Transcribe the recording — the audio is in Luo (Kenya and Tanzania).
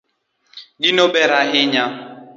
Gino ber ahinya